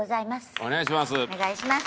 お願いします。